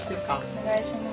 おねがいします。